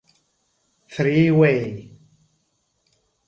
Three Way